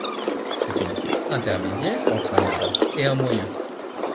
C'est une pièce intermédiaire entre un arbre et un moyeu.